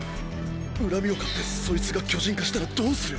恨みを買ってそいつが巨人化したらどうする？